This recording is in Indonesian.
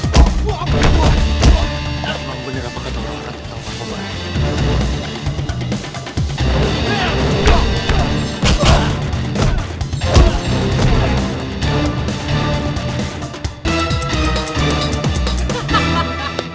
bang bener apa kau tahu orang orang tentang bang kobar